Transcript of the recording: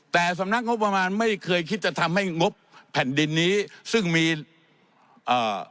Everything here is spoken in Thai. แต่สำนักงบประมาณไม่เคยคิดจะทำให้งบแผ่นดินนี้ซึ่งมีเอ่อ